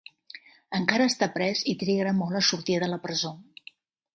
Encara està pres i trigarà molt a sortir de la presó.